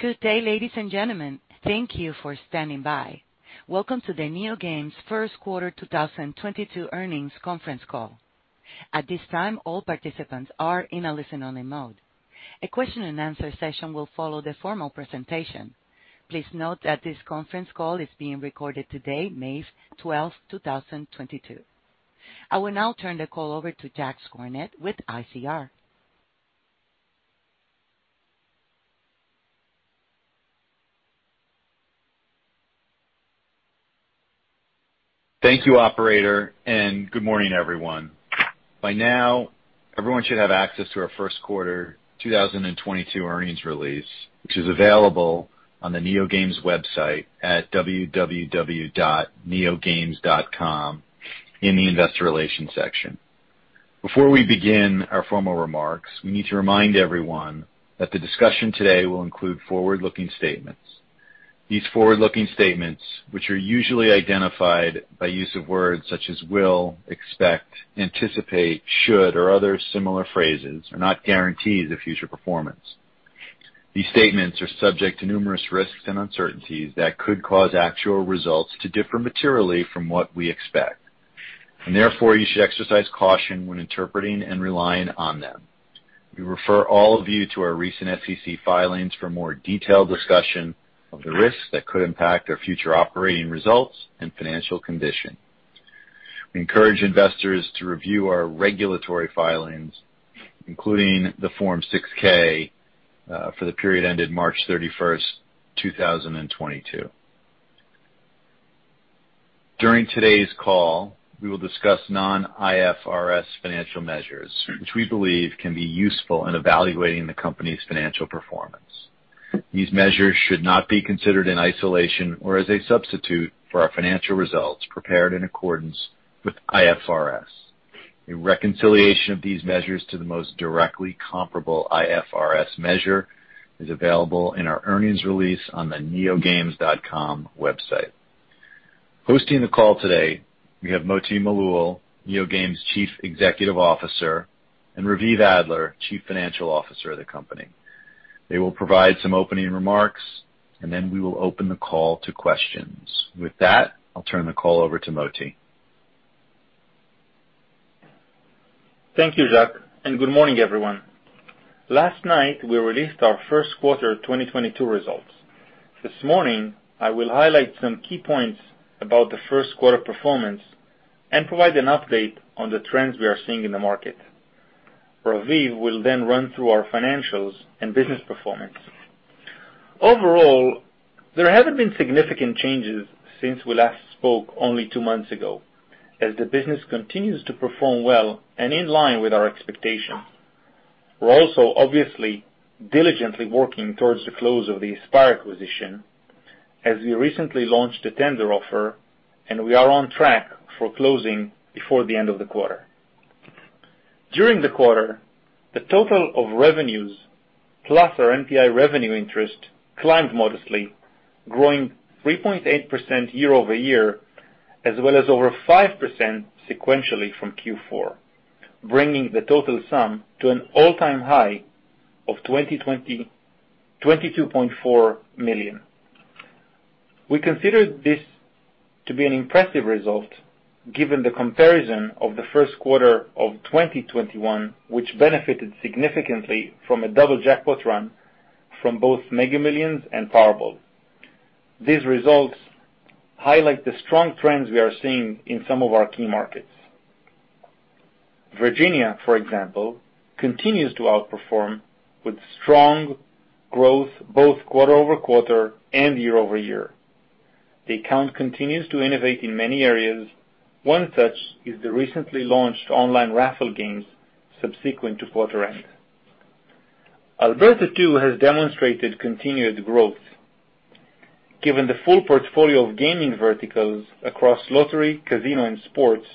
Good day, ladies and gentlemen. Thank you for standing by. Welcome to the NeoGames first quarter 2022 earnings conference call. At this time, all participants are in a listen-only mode. A question and answer session will follow the formal presentation. Please note that this conference call is being recorded today, May 12, 2022. I will now turn the call over to Jacques Cornet with ICR. Thank you, operator, and good morning, everyone. By now, everyone should have access to our first quarter 2022 earnings release, which is available on the NeoGames website at www.neogames.com in the investor relations section. Before we begin our formal remarks, we need to remind everyone that the discussion today will include forward-looking statements. These forward-looking statements, which are usually identified by use of words such as will, expect, anticipate, should, or other similar phrases, are not guarantees of future performance. These statements are subject to numerous risks and uncertainties that could cause actual results to differ materially from what we expect, and therefore you should exercise caution when interpreting and relying on them. We refer all of you to our recent SEC filings for more detailed discussion of the risks that could impact our future operating results and financial condition. We encourage investors to review our regulatory filings, including the Form 6-K for the period ended March 31, 2022. During today's call, we will discuss non-IFRS financial measures, which we believe can be useful in evaluating the company's financial performance. These measures should not be considered in isolation or as a substitute for our financial results prepared in accordance with IFRS. A reconciliation of these measures to the most directly comparable IFRS measure is available in our earnings release on the neogames.com website. Hosting the call today, we have Moti Malul, NeoGames Chief Executive Officer, and Raviv Adler, Chief Financial Officer of the company. They will provide some opening remarks, and then we will open the call to questions. With that, I'll turn the call over to Moti. Thank you, Jacques, and good morning, everyone. Last night, we released our first quarter 2022 results. This morning, I will highlight some key points about the first quarter performance and provide an update on the trends we are seeing in the market. Raviv will then run through our financials and business performance. Overall, there haven't been significant changes since we last spoke only two months ago, as the business continues to perform well and in line with our expectations. We're also obviously diligently working towards the close of the Aspire acquisition as we recently launched a tender offer and we are on track for closing before the end of the quarter. During the quarter, the total of revenues plus our NPI revenue interest climbed modestly, growing 3.8% year-over-year as well as over 5% sequentially from Q4, bringing the total sum to an all-time high of $22.4 million. We consider this to be an impressive result given the comparison of the first quarter of 2021, which benefited significantly from a double jackpot run from both Mega Millions and Powerball. These results highlight the strong trends we are seeing in some of our key markets. Virginia, for example, continues to outperform with strong growth both quarter-over-quarter and year-over-year. The account continues to innovate in many areas. One such is the recently launched online raffle games subsequent to quarter end. Alberta too has demonstrated continued growth given the full portfolio of gaming verticals across lottery, casino and sports,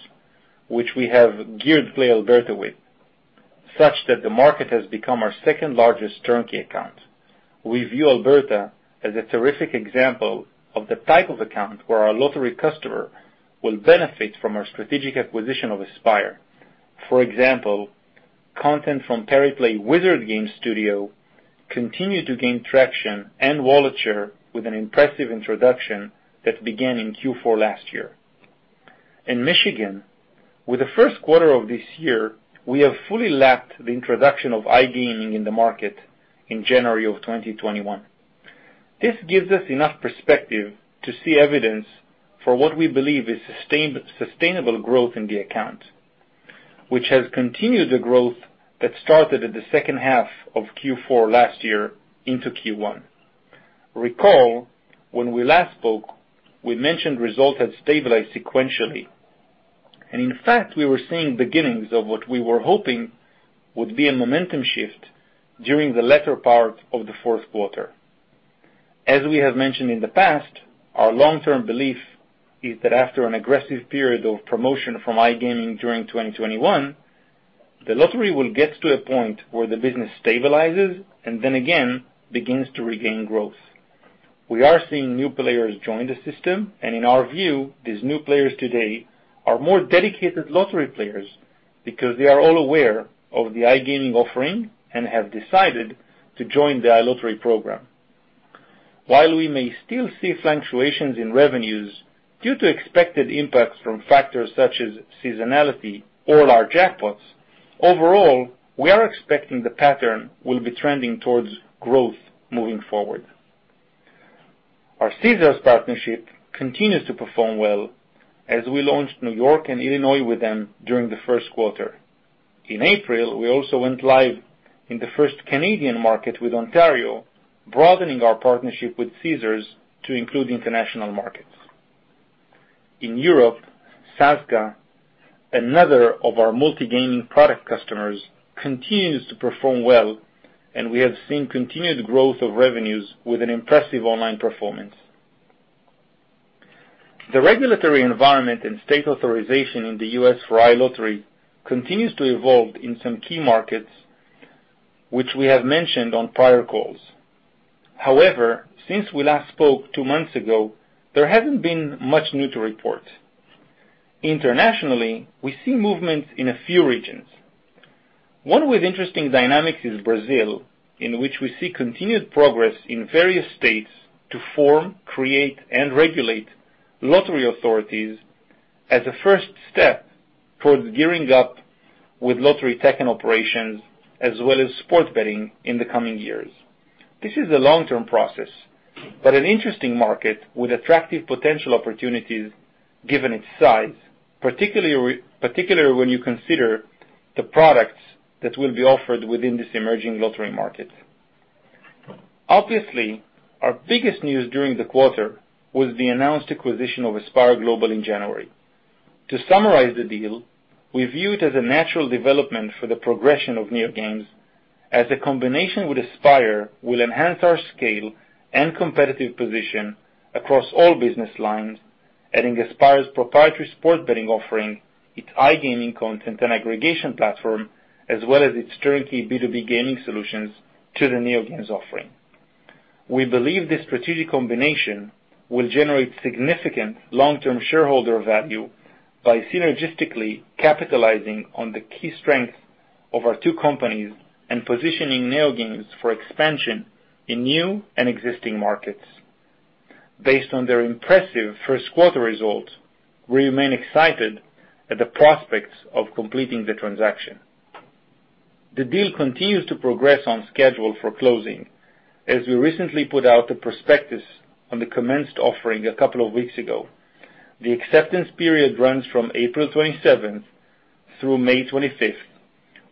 which we have geared PlayAlberta with, such that the market has become our second-largest turnkey account. We view Alberta as a terrific example of the type of account where our lottery customer will benefit from our strategic acquisition of Aspire. For example, content from Pariplay Wizard Games studio continued to gain traction and wallet share with an impressive introduction that began in Q4 last year. In Michigan, with the first quarter of this year, we have fully lapped the introduction of iGaming in the market in January of 2021. This gives us enough perspective to see evidence for what we believe is sustainable growth in the account, which has continued the growth that started at the second half of Q4 last year into Q1. Recall, when we last spoke, we mentioned results had stabilized sequentially. In fact, we were seeing beginnings of what we were hoping would be a momentum shift during the latter part of the fourth quarter. As we have mentioned in the past, our long-term belief is that after an aggressive period of promotion from iGaming during 2021, the lottery will get to a point where the business stabilizes and then again begins to regain growth. We are seeing new players join the system, and in our view, these new players today are more dedicated lottery players because they are all aware of the iGaming offering and have decided to join the iLottery program. While we may still see fluctuations in revenues due to expected impacts from factors such as seasonality or large jackpots, overall, we are expecting the pattern will be trending towards growth moving forward. Our Caesars partnership continues to perform well as we launched New York and Illinois with them during the first quarter. In April, we also went live in the first Canadian market with Ontario, broadening our partnership with Caesars to include international markets. In Europe, SAZKA, another of our multi-gaming product customers, continues to perform well, and we have seen continued growth of revenues with an impressive online performance. The regulatory environment and state authorization in the U.S. for iLottery continues to evolve in some key markets, which we have mentioned on prior calls. However, since we last spoke two months ago, there hasn't been much new to report. Internationally, we see movements in a few regions. One with interesting dynamics is Brazil, in which we see continued progress in various states to form, create, and regulate lottery authorities as a first step towards gearing up with lottery tech and operations, as well as sports betting in the coming years. This is a long-term process, but an interesting market with attractive potential opportunities given its size, particularly when you consider the products that will be offered within this emerging lottery market. Obviously, our biggest news during the quarter was the announced acquisition of Aspire Global in January. To summarize the deal, we view it as a natural development for the progression of NeoGames as a combination with Aspire will enhance our scale and competitive position across all business lines, adding Aspire's proprietary sports betting offering, its iGaming content and aggregation platform, as well as its turnkey B2B gaming solutions to the NeoGames offering. We believe this strategic combination will generate significant long-term shareholder value by synergistically capitalizing on the key strengths of our two companies and positioning NeoGames for expansion in new and existing markets. Based on their impressive first quarter results, we remain excited at the prospects of completing the transaction. The deal continues to progress on schedule for closing, as we recently put out a prospectus on the commenced offering a couple of weeks ago. The acceptance period runs from April 27th through May 25th,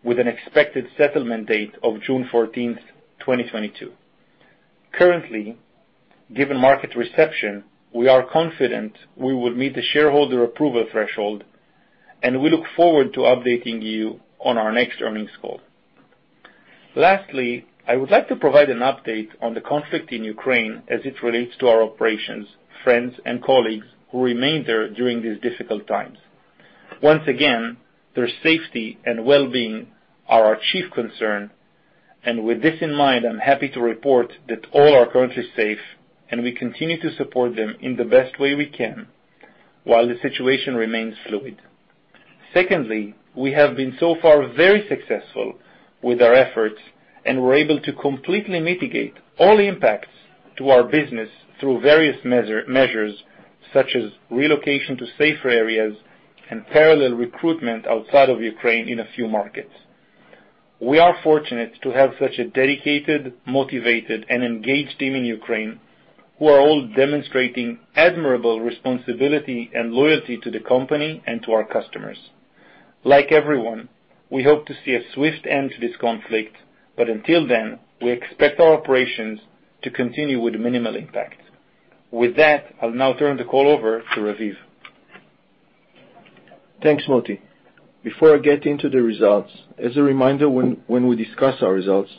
with an expected settlement date of June 14th, 2022. Currently, given market reception, we are confident we will meet the shareholder approval threshold, and we look forward to updating you on our next earnings call. Lastly, I would like to provide an update on the conflict in Ukraine as it relates to our operations, friends and colleagues who remain there during these difficult times. Once again, their safety and well-being are our chief concern. With this in mind, I'm happy to report that all are currently safe, and we continue to support them in the best way we can while the situation remains fluid. Secondly, we have been so far very successful with our efforts, and we're able to completely mitigate all impacts to our business through various measures such as relocation to safer areas and parallel recruitment outside of Ukraine in a few markets. We are fortunate to have such a dedicated, motivated, and engaged team in Ukraine who are all demonstrating admirable responsibility and loyalty to the company and to our customers. Like everyone, we hope to see a swift end to this conflict, but until then, we expect our operations to continue with minimal impact. With that, I'll now turn the call over to Raviv. Thanks, Moti. Before I get into the results, as a reminder, when we discuss our results,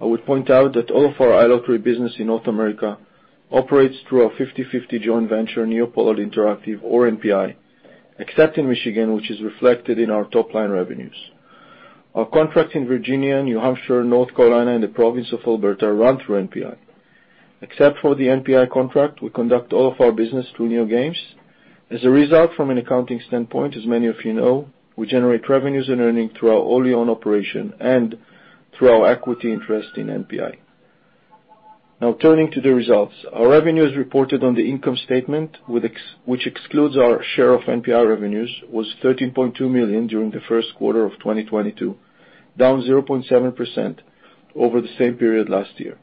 I would point out that all of our iLottery business in North America operates through our 50/50 joint venture, NeoPollard Interactive or NPI, except in Michigan, which is reflected in our top-line revenues. Our contracts in Virginia, New Hampshire, North Carolina, and the province of Alberta run through NPI. Except for the NPI contract, we conduct all of our business through NeoGames. As a result, from an accounting standpoint, as many of you know, we generate revenues and earnings through our wholly owned operation and through our equity interest in NPI. Now turning to the results. Our revenues reported on the income statement with which excludes our share of NPI revenues, was $13.2 million during the first quarter of 2022, down 0.7% over the same period last year.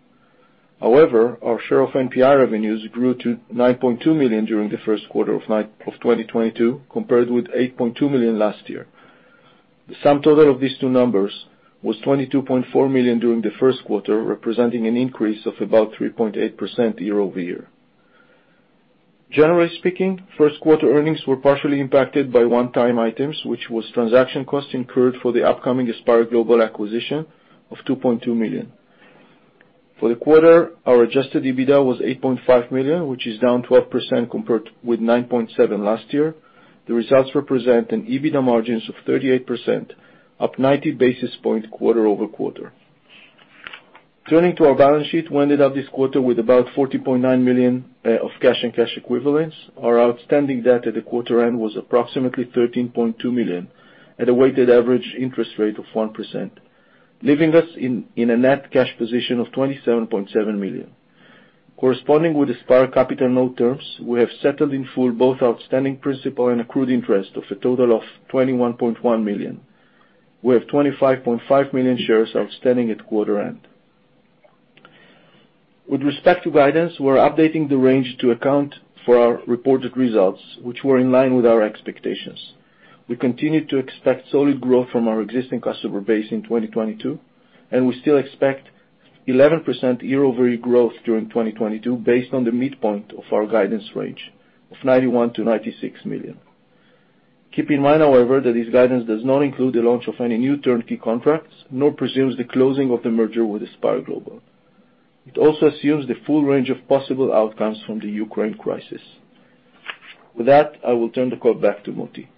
However, our share of NPI revenues grew to $9.2 million during the first quarter of 2022, compared with $8.2 million last year. The sum total of these two numbers was $22.4 million during the first quarter, representing an increase of about 3.8% year-over-year. Generally speaking, first-quarter earnings were partially impacted by one-time items, which was transaction costs incurred for the upcoming Aspire Global acquisition of $2.2 million. For the quarter, our adjusted EBITDA was $8.5 million, which is down 12% compared with $9.7 million last year. The results represent an EBITDA margin of 38%, up 90 basis points quarter-over-quarter. Turning to our balance sheet, we ended up this quarter with about $40.9 million of cash and cash equivalents. Our outstanding debt at the quarter end was approximately $13.2 million at a weighted average interest rate of 1%, leaving us in a net cash position of $27.7 million. Corresponding with the Aspire Capital note terms, we have settled in full both outstanding principal and accrued interest of a total of $21.1 million. We have 25.5 million shares outstanding at quarter end. With respect to guidance, we're updating the range to account for our reported results, which were in line with our expectations. We continue to expect solid growth from our existing customer base in 2022, and we still expect 11% year-over-year growth during 2022 based on the midpoint of our guidance range of $91-$96 million. Keep in mind, however, that this guidance does not include the launch of any new turnkey contracts, nor presumes the closing of the merger with Aspire Global. It also assumes the full range of possible outcomes from the Ukraine crisis. With that, I will turn the call back to Moti.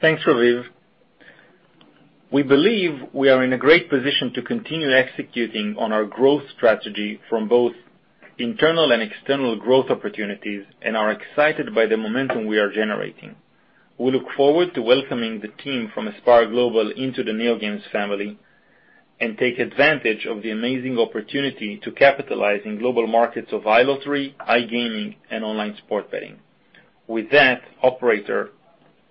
Thanks, Raviv. We believe we are in a great position to continue executing on our growth strategy from both internal and external growth opportunities and are excited by the momentum we are generating. We look forward to welcoming the team from Aspire Global into the NeoGames family and take advantage of the amazing opportunity to capitalize in global markets of iLottery, iGaming, and online sports betting. With that, operator,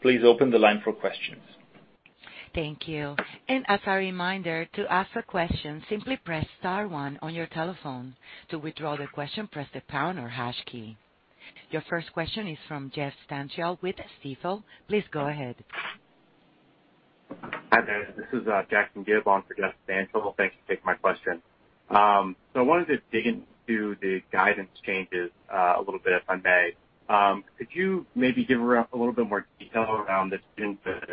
please open the line for questions. Thank you. As a reminder, to ask a question, simply press star one on your telephone. To withdraw the question, press the pound or hash key. Your first question is from Jeff Stantial with Stifel. Please go ahead. Hi there. This is Jackson Gibb for Jeff Stantial. Thanks for taking my question. I wanted to dig into the guidance changes, a little bit, if I may. Could you maybe give a little bit more detail around the students that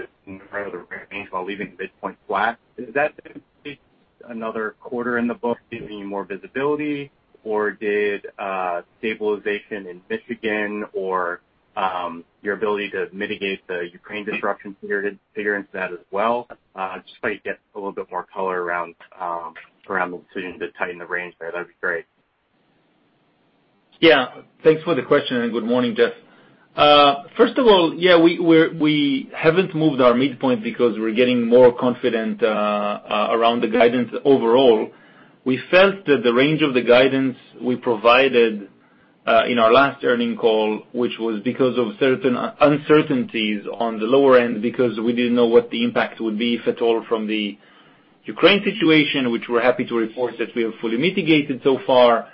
Thanks for the question, and good morning, Jeff. First of all, we haven't moved our midpoint because we're getting more confident around the guidance overall. We felt that the range of the guidance we provided in our last earnings call was because of certain uncertainties on the lower end because we didn't know what the impact would be, if at all, from the Ukraine situation, which we're happy to report that we have fully mitigated so far.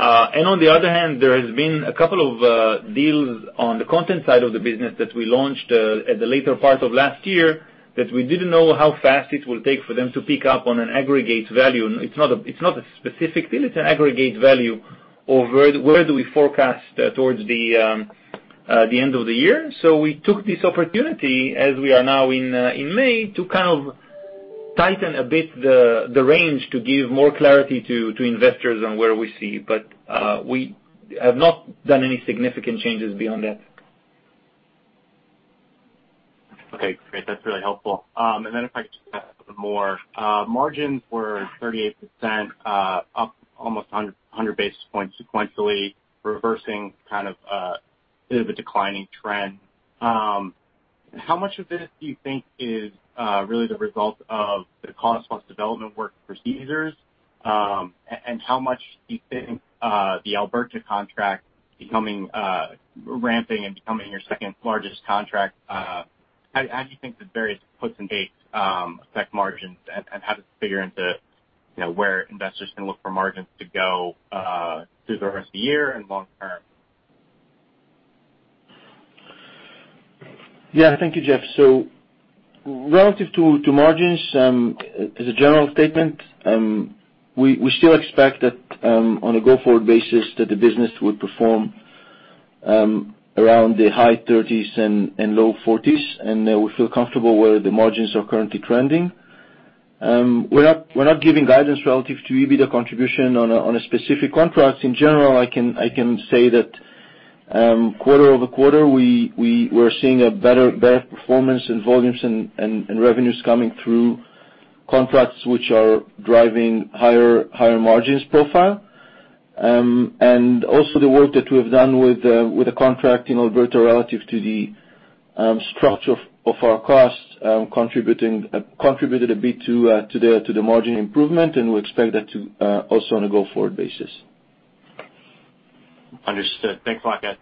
On the other hand, there has been a couple of deals on the content side of the business that we launched at the later part of last year that we didn't know how fast it will take for them to pick up on an aggregate value. It's not a specific deal. It's an aggregate value of where do we forecast towards the end of the year. We took this opportunity as we are now in May to kind of tighten a bit the range to give more clarity to investors on where we see. We have not done any significant changes beyond that. Okay, great. That's really helpful. If I could just ask a little more. Margins were 38%, up almost 100 basis points sequentially, reversing kind of a bit of a declining trend. How much of this do you think is really the result of the cost plus development work for Caesars? And how much do you think the Alberta contract becoming ramping and becoming your second-largest contract, how do you think the various puts and takes affect margins and how does it figure into, you know, where investors can look for margins to go through the rest of the year and long term? Yeah. Thank you, Jeff. Relative to margins, as a general statement, we still expect that on a go-forward basis that the business will perform around the high 30s% and low 40s%, and we feel comfortable where the margins are currently trending. We're not giving guidance relative to EBITDA contribution on a specific contract. In general, I can say that quarter-over-quarter, we're seeing a better performance in volumes and revenues coming through contracts which are driving higher margins profile. Also the work that we have done with the contract in Alberta relative to the structure of our costs contributed a bit to the margin improvement, and we expect that to also on a go-forward basis. Understood. Thanks a lot, guys.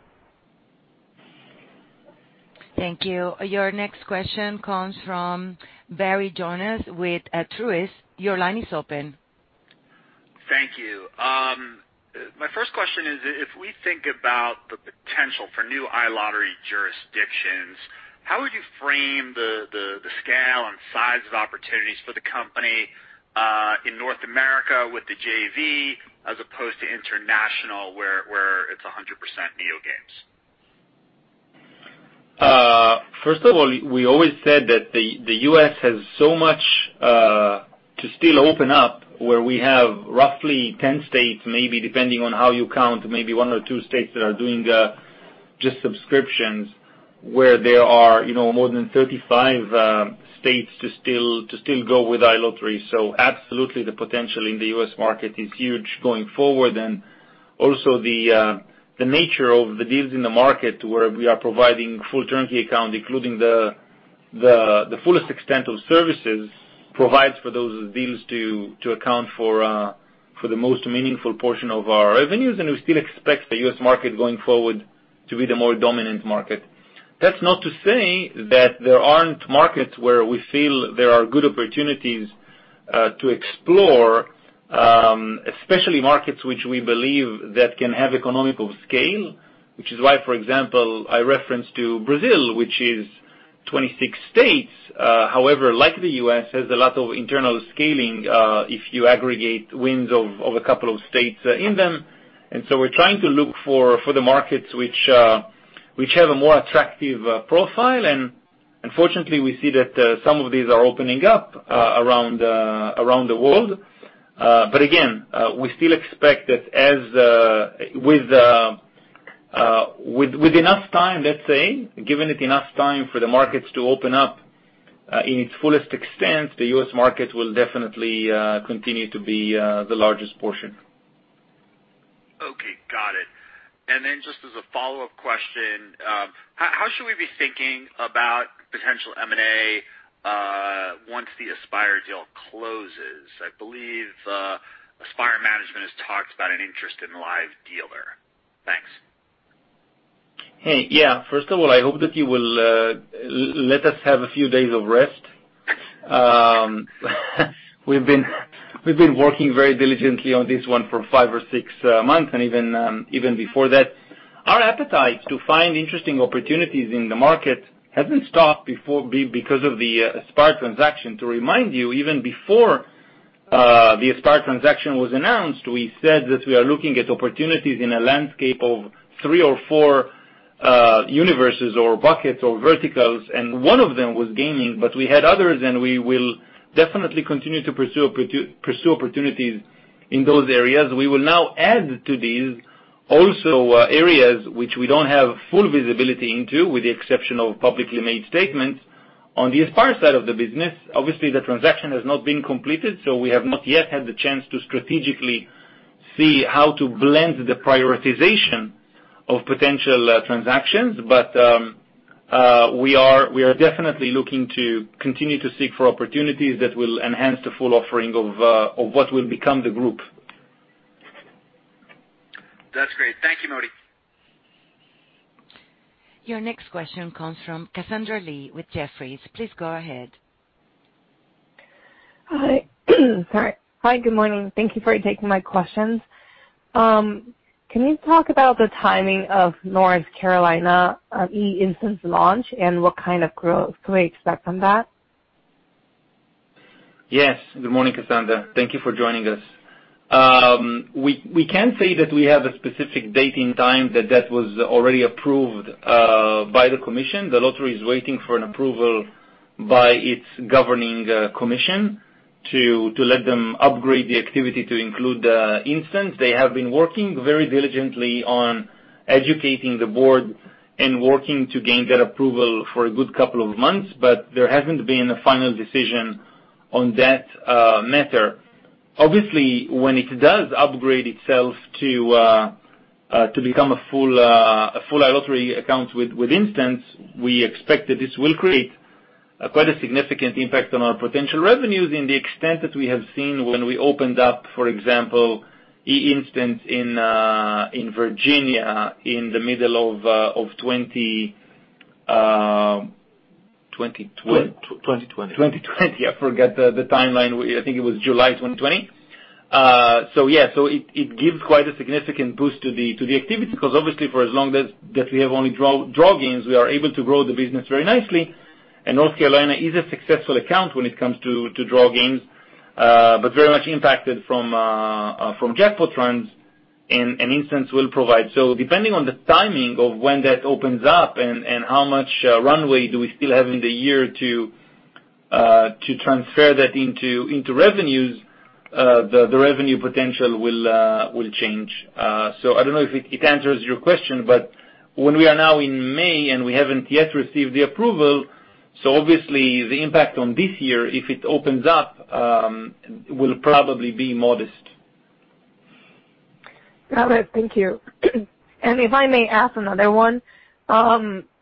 Thank you. Your next question comes from Barry Jonas with Truist. Your line is open. Thank you. My first question is if we think about the potential for new iLottery jurisdictions, how would you frame the scale and size of opportunities for the company in North America with the JV as opposed to international, where it's 100% NeoGames? First of all, we always said that the U.S. has so much to still open up where we have roughly 10 states, maybe depending on how you count, maybe 1 or 2 states that are doing Just subscriptions where there are, you know, more than 35 states to still go with iLottery. Absolutely the potential in the U.S. market is huge going forward. Also the nature of the deals in the market where we are providing full turnkey account, including the fullest extent of services, provides for those deals to account for the most meaningful portion of our revenues. We still expect the U.S. market going forward to be the more dominant market. That's not to say that there aren't markets where we feel there are good opportunities to explore, especially markets which we believe that can have economical scale. Which is why, for example, I referenced to Brazil, which is 26 states, however, like the US, has a lot of internal scaling, if you aggregate wins of a couple of states in them. We're trying to look for the markets which have a more attractive profile. Unfortunately, we see that some of these are opening up around the world. Again, we still expect that with enough time, let's say, given it enough time for the markets to open up in its fullest extent, the US market will definitely continue to be the largest portion. Okay, got it. Just as a follow-up question, how should we be thinking about potential M&A once the Aspire deal closes? I believe Aspire management has talked about an interest in live dealer. Thanks. Hey. Yeah, first of all, I hope that you will let us have a few days of rest. We've been working very diligently on this one for five or six months, and even before that. Our appetite to find interesting opportunities in the market hasn't stopped because of the Aspire transaction. To remind you, even before the Aspire transaction was announced, we said that we are looking at opportunities in a landscape of three or four universes or buckets or verticals, and one of them was gaming, but we had others, and we will definitely continue to pursue opportunities in those areas. We will now add to these also areas which we don't have full visibility into, with the exception of publicly made statements on the Aspire side of the business. Obviously, the transaction has not been completed, so we have not yet had the chance to strategically see how to blend the prioritization of potential transactions. We are definitely looking to continue to seek for opportunities that will enhance the full offering of what will become the group. That's great. Thank you, Moti. Your next question comes from Cassandra Lee with Jefferies. Please go ahead. Hi. Good morning. Thank you for taking my questions. Can you talk about the timing of North Carolina eInstant's launch, and what kind of growth can we expect on that? Yes. Good morning, Cassandra. Thank you for joining us. We can't say that we have a specific date and time that was already approved by the commission. The lottery is waiting for an approval by its governing commission to let them upgrade the activity to include Instant. They have been working very diligently on educating the board and working to gain their approval for a good couple of months, but there hasn't been a final decision on that matter. Obviously, when it does upgrade itself to become a full iLottery account with Instant, we expect that this will create quite a significant impact on our potential revenues to the extent that we have seen when we opened up, for example, eInstant in Virginia in the middle of 2022. Twenty-twenty. 2020. I forget the timeline. I think it was July 2020. Yeah. It gives quite a significant boost to the activity, 'cause obviously, for as long as we have only draw games, we are able to grow the business very nicely. North Carolina is a successful account when it comes to draw games, but very much impacted from jackpot trends and Instant will provide. Depending on the timing of when that opens up and how much runway do we still have in the year to transfer that into revenues, the revenue potential will change. I don't know if it answers your question, but when we are now in May and we haven't yet received the approval, so obviously the impact on this year, if it opens up, will probably be modest. Got it. Thank you. If I may ask another one.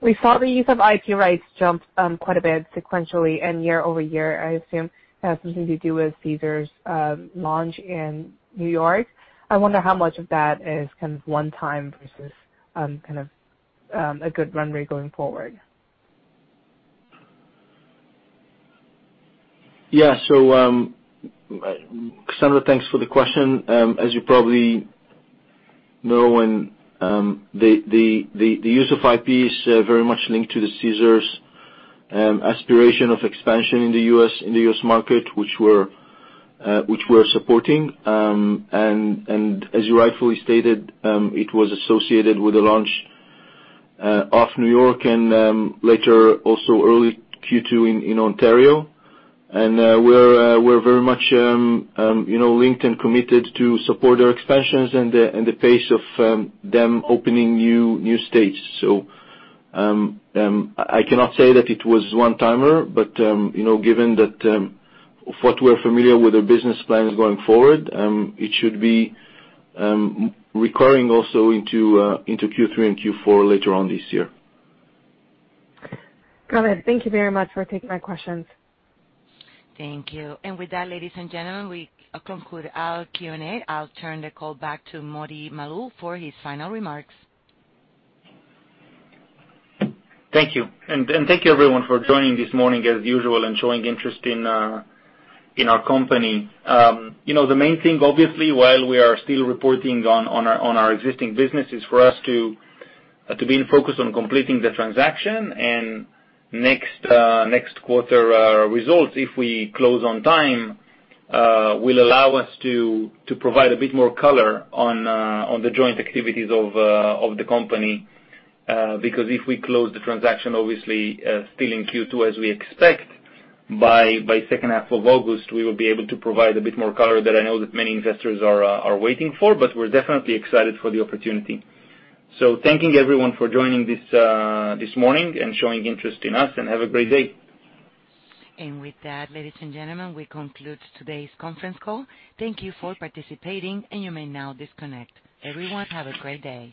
We saw the use of IP rights jump quite a bit sequentially and year over year. I assume it has something to do with Caesars launch in New York. I wonder how much of that is kind of one-time versus kind of a good runway going forward. Yeah. Cassandra, thanks for the question. As you probably know, the use of IP is very much linked to the Caesars aspiration of expansion in the US, in the US market, which we're supporting. As you rightfully stated, it was associated with the launch of New York and later, also early Q2 in Ontario. We're very much, you know, linked and committed to support their expansions and the pace of them opening new states. I cannot say that it was one-timer, but you know, given what we're familiar with their business plans going forward, it should be recurring also into Q3 and Q4 later on this year. Got it. Thank you very much for taking my questions. Thank you. With that, ladies and gentlemen, we conclude our Q&A. I'll turn the call back to Moti Malul for his final remarks. Thank you. Thank you everyone for joining this morning as usual and showing interest in our company. You know, the main thing, obviously, while we are still reporting on our existing business, is for us to be focused on completing the transaction. Next quarter results, if we close on time, will allow us to provide a bit more color on the joint activities of the company. Because if we close the transaction obviously, still in Q2 as we expect, by second half of August, we will be able to provide a bit more color that I know that many investors are waiting for. We're definitely excited for the opportunity. Thanking everyone for joining this morning and showing interest in us, and have a great day. With that, ladies and gentlemen, we conclude today's conference call. Thank you for participating, and you may now disconnect. Everyone, have a great day.